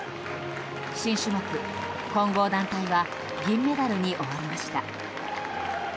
新種目、混合団体は銀メダルに終わりました。